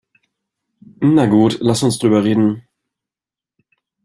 Na gut, lass uns drüber reden.